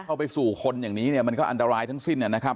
ไปสู่คนอย่างนี้เนี่ยมันก็อันตรายทั้งสิ้นนะครับ